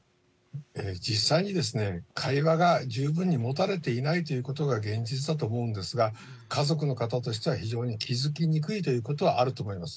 実際に会話が十分に持たれていないということが現実だと思うんですが、家族の方としては、非常に気付きにくいということはあると思います。